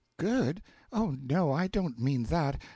Good? Oh no, I don't mean that!